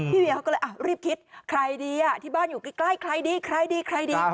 เวียเขาก็เลยรีบคิดใครดีที่บ้านอยู่ใกล้ใครดีใครดีใครดี